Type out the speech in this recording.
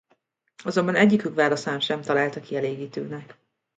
Azonban egyikük válaszát sem találta kielégítőnek.